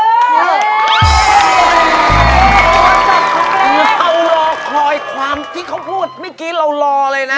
คือเรารอคอยความที่เขาพูดเมื่อกี้เรารอเลยนะ